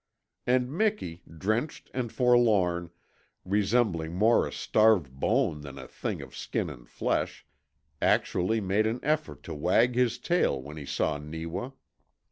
And Miki, drenched and forlorn, resembling more a starved bone than a thing of skin and flesh, actually made an effort to wag his tail when he saw Neewa.